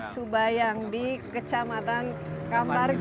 subayang di kecamatan kampar